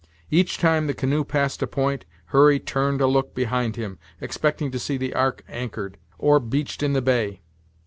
Each time the canoe passed a point, Hurry turned a look behind him, expecting to see the "ark" anchored, or beached in the bay.